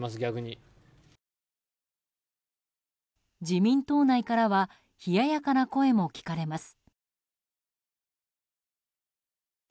自民党内からは冷ややかな声も聞かれます。